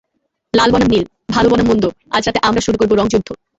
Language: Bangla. লাল বনাম নীল, ভালো বনাম মন্দ আজ রাতে আমরা শুরু করব রঙ যুদ্ধ!